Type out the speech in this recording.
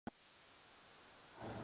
احباب چارہ سازیٴ وحشت نہ کرسکے